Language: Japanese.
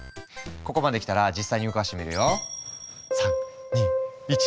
ここまできたら実際に動かしてみるよ。